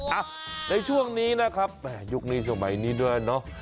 อ่ะในช่วงนี้นะครับยุคนี้สมัยนี้ด้วยเนอะ